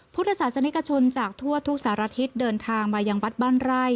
พุทธศาสนิกชนจากทั่วทุกสารทิศเดินทางมายังวัดบ้านไร่